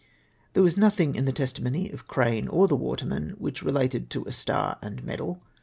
There was nothing m the testi mony of Crane or the waterman, which even related to a star and medal.